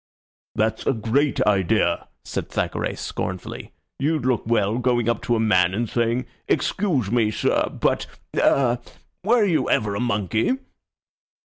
"That's a great idea," said Thackeray, scornfully. "You'd look well going up to a man and saying, 'Excuse me, sir, but ah were you ever a monkey?'"